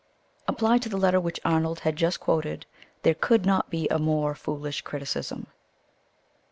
Applied to the letter which Arnold had just quoted there could not be a more foolish criticism.